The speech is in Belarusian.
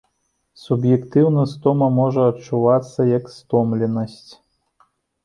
Суб'ектыўна стома можа адчувацца як стомленасць.